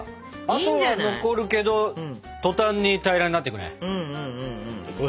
跡は残るけど途端に平らになっていくね。